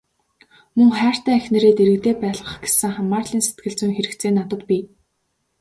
Мөн хайртай эхнэрээ дэргэдээ байлгах гэсэн хамаарлын сэтгэлзүйн хэрэгцээ надад бий.